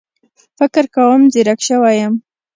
فکر کوم ځيرک شوی يم